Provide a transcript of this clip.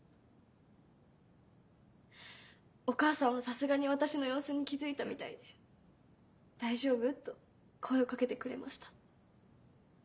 お母さんはさすがに私の様子に気付いたみたいで「大丈夫？」と声をかけてくれました。